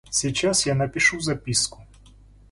Сейчас я напишу записку.